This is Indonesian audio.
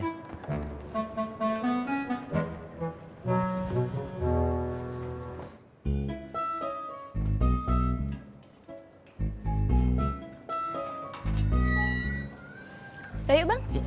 udah yuk bang